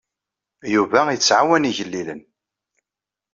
Yuba yettɛawan igellilen.